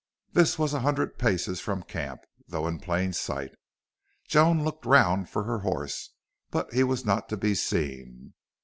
This was a hundred paces from camp, though in plain sight. Joan looked round for her horse, but he was not to be seen.